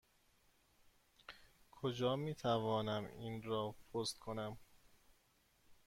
کجا می توانم این را پست کنم؟